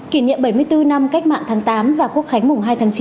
kỷ niệm bảy mươi bốn năm cách mạng tháng tám và quốc khánh mùng hai tháng chín